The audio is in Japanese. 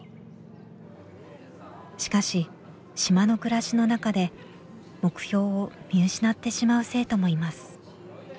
しかし島の暮らしの中で目標を見失ってしまう生徒もいます。